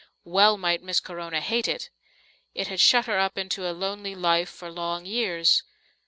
Well might Miss Corona hate it. It had shut her up into a lonely life for long years.